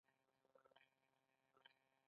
په هیواد کې د عامه اداري سیسټم رهبري کول.